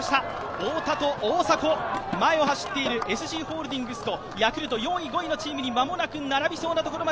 太田と大迫、前を走っているＳＧホールディングスとヤクルト、４位、５位のチームと間もなく並びそうです。